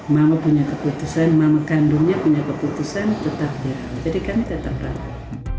mama punya keputusan mama kandungnya punya keputusan tetap dirawat jadi kami tetap berawal